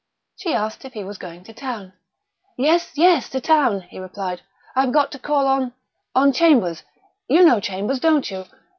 She asked if he was going to town. "Yes, yes to town," he replied. "I've got to call on on Chambers. You know Chambers, don't you?